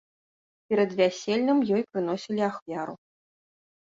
Перад вяселлем ёй прыносілі ахвяру.